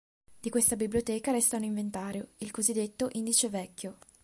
Di questa biblioteca resta un inventario, il cosiddetto "Indice vecchio".